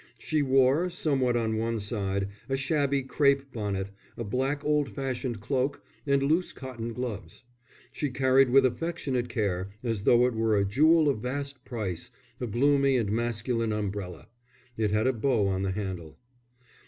She wore, somewhat on one side, a shabby crape bonnet, a black old fashioned cloak, and loose cotton gloves. She carried with affectionate care, as though it were a jewel of vast price, a gloomy and masculine umbrella. It had a bow on the handle.